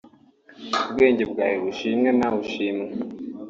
“Ubwenge bwawe bushimwe nawe ushimwe